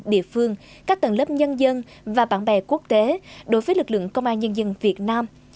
địa phương các tầng lớp nhân dân và bạn bè quốc tế đối với lực lượng công an nhân dân việt nam